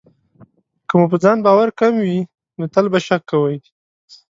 که مو په ځان باور کم وي، نو تل به شک کوئ.